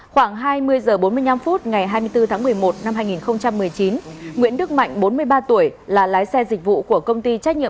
khoảng hai mươi h bốn mươi năm phút ngày hai mươi bốn tháng một mươi một năm hai nghìn một mươi chín nguyễn đức mạnh bốn mươi ba tuổi là lái xe dịch vụ của công ty trách nhiệm